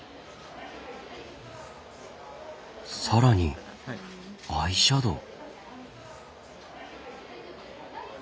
更にアイシャドウ。